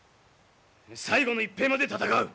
最後の一兵まで戦う！